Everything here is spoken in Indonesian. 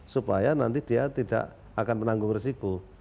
supaya nanti dia tidak akan menanggung resiko